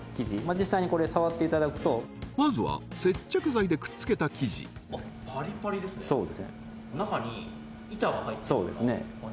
実際にこれ触っていただくとまずは接着剤でくっつけた生地中に板が入ってるような感じですね